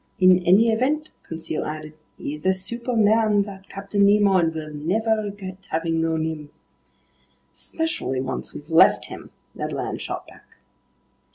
"In any event," Conseil added, "he's a superman, that Captain Nemo, and we'll never regret having known him." "Especially once we've left him," Ned Land shot back.